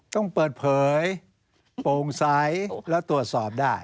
ต้องเปิดเผยโปร่งใสแล้วตรวจสอบได้